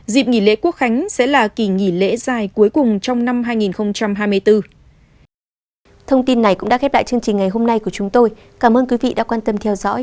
dịp nghỉ lễ quốc khánh sẽ là kỳ nghỉ lễ dài cuối cùng trong năm hai nghìn hai mươi bốn